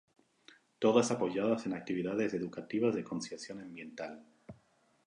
Todas apoyadas en actividades educativas de concienciación ambiental.